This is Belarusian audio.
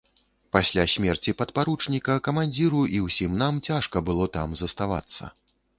Пасля смерці падпаручніка камандзіру і ўсім нам цяжка было там заставацца!